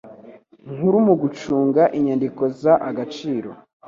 Nkuru mu gucunga inyandiko z agaciro